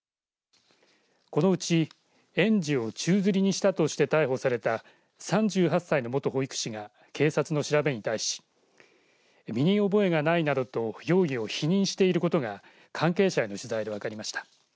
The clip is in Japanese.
このうち園児を宙づりにしたとして逮捕された３８歳の元保育士が警察の調べに対し身に覚えがないなどと容疑を否認していることが関係者への取材で分かりました。